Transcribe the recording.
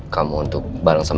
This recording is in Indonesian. kamu untuk bareng sama